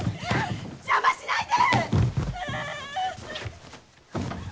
邪魔しないで！